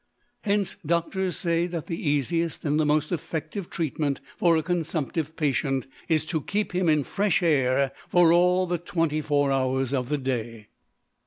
Hence doctors say that the easiest and the most effective treatment for a consumptive patient is to keep him in fresh air for all the 24 hours of the day.